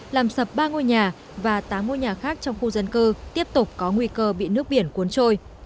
làm sập ba ngôi nhà và tám ngôi nhà khác trong khu dân cư tiếp tục có nguy cơ bị nước biển cuốn trôi